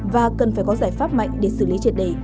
và cần phải có giải pháp mạnh để xử lý